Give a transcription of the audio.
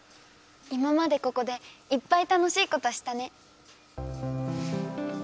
今までここでいっぱい楽しいことしたね。